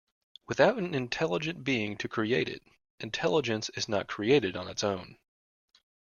Without an intelligent being to create it, intelligence is not created on its own.